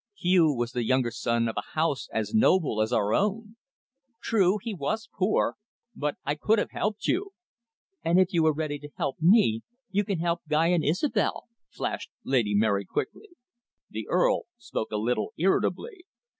Hugh was the younger son of a house as noble as our own. True he was poor, but I could have helped you." "And if you were ready to help me, you can help Guy and Isobel," flashed Lady Mary quickly. The Earl spoke a little irritably.